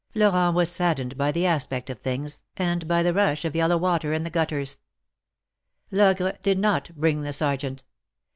Florent was saddened by the aspect of things, and by the rush of yellow water in the gutters. Logre did not bring the Sergeant.